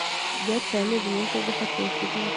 Byatwaye amezi menshi yo gufata iyo firime.